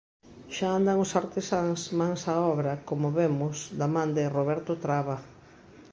Xa andan os artesáns mans á obra como vemos da man de Roberto Traba...